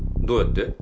どうやって？